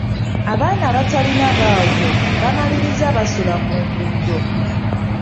Abaana abatalina waabwe bamaliriza basula ku nguudo.